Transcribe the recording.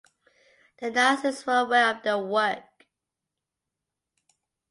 The Nazis were aware of their work.